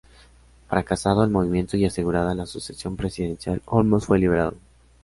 Fracasado el movimiento y asegurada la sucesión presidencial, Olmos fue liberado.